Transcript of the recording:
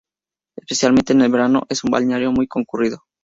Especialmente en el verano es un balneario muy concurrido.